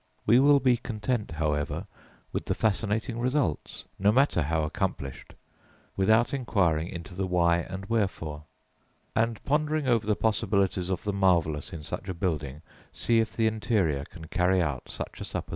We will be content, however, with the fascinating results, no matter how accomplished, without inquiring into the why and wherefore; and pondering over the possibilities of the marvellous in such a building see, if the interior can carry out such a supposition.